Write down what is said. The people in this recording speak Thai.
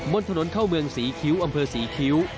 บนถนนเข้าเมืองศรีคิ้วอำเภอศรีคิ้ว